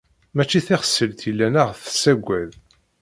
Mačči tiḥeṣṣilt yellan ad ɣ-tessaged.